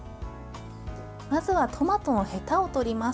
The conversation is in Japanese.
まずはトマトのへたを取ります。